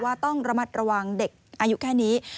ว่าต้องระมัดระวังเด็กอายุแค่นี้